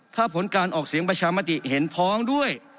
ถ้าผลการออกเสียงประชามติเห็นพ้องด้วย